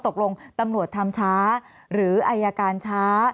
ตำรวจทำช้าหรืออายการช้า